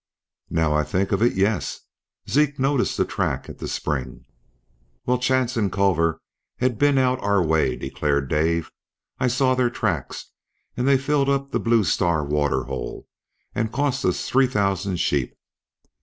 "Now I think of it, yes. Zeke noticed the track at the spring." "Well, Chance and Culver had been out our way," declared Dave. "I saw their tracks, and they filled up the Blue Star waterhole and cost us three thousand sheep."